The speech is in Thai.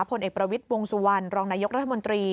ผลเอกประวิทย์วงสุวรรณรองนายกรัฐมนตรี